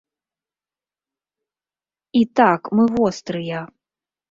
І так, мы вострыя.